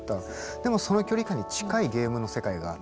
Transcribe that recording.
でもその距離感に近いゲームの世界があって。